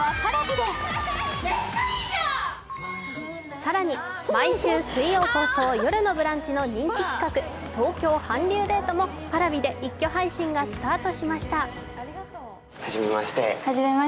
更に毎週水曜放送「よるのブランチ」の人気企画、「東京韓流デート」もＰａｒａｖｉで一挙配信がスタート。